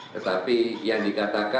tetapi yang dikatakan